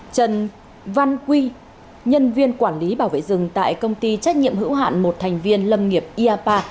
trần văn quy nhân viên quản lý bảo vệ rừng tại công ty trách nhiệm hữu hạn một thành viên lâm nghiệp iapa